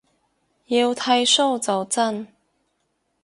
要剃鬚就真